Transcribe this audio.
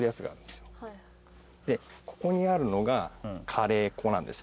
ここにあるのが辛ぇ粉なんですよ。